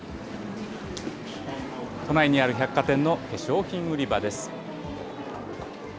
都内にある百貨店の化粧品売り場です。